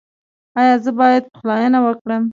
ایا زه باید پخلاینه وکړم؟